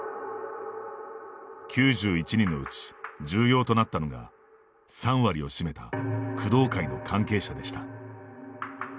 ９１人のうち重要となったのが３割を占めた工藤会の関係者でした。